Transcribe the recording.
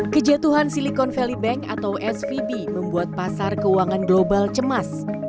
kejatuhan silicon valley bank atau svb membuat pasar keuangan global cemas